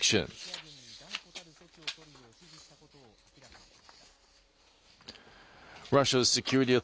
ロシア軍に断固たる措置を取るよう指示したことを明らかにしました。